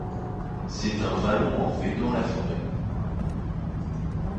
C'est un vallon en V dans la forêt.